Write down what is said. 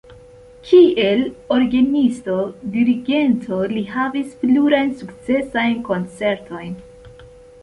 Kiel orgenisto, dirigento li havis plurajn sukcesajn koncertojn.